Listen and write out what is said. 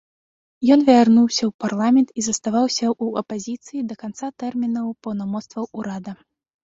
Ён вярнуўся ў парламент і заставаўся ў апазіцыі да канца тэрміну паўнамоцтваў урада.